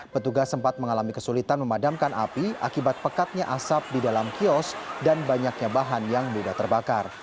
petugas sempat mengalami kesulitan memadamkan api akibat pekatnya asap di dalam kios dan banyaknya bahan yang mudah terbakar